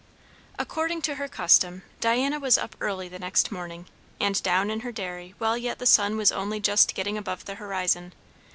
According to her custom, Diana was up early the next morning, and down in her dairy while yet the sun was only just getting above the horizon.